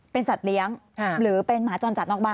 เป็นสัตว์เลี้ยงหรือเป็นหมาจรจัดนอกบ้าน